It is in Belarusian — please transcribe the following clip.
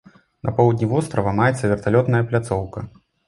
На поўдні вострава маецца верталётная пляцоўка.